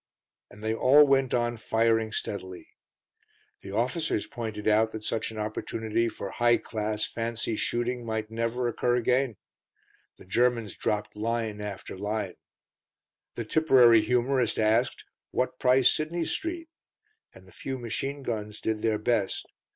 And they all went on firing steadily. The officers pointed out that such an opportunity for high class, fancy shooting might never occur again; the Germans dropped line after line; the Tipperary humorist asked, "What price Sidney Street?" And the few machine guns did their best.